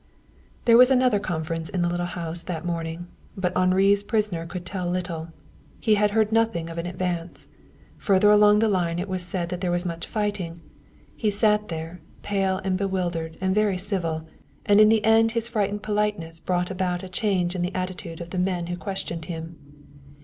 There was another conference in the little house that morning, but Henri's prisoner could tell little. He had heard nothing of an advance. Further along the line it was said that there was much fighting. He sat there, pale and bewildered and very civil, and in the end his frightened politeness brought about a change in the attitude of the men who questioned him.